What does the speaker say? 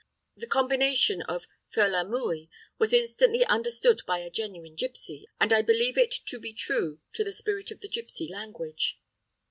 The combination of firlamui was instantly understood by a genuine gipsy, and I believe it to be true to the spirit of the gipsy language.